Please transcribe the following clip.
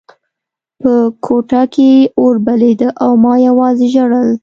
په کوټه کې اور بلېده او ما یوازې ژړل